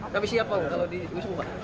kami siap pak kalau diwisung pak